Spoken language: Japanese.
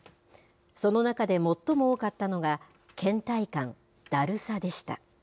その中で最も多かったのが、けん怠感・だるさでした。